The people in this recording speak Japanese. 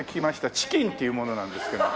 チキンっていうものなんですけども。